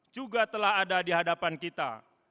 juga telah ada dihadapan kita